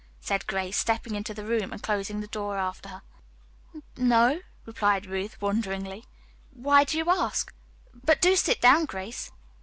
said Grace, stepping into the room and closing the door after her. "No," replied Ruth wonderingly. "Why do you ask? But do sit down, Grace."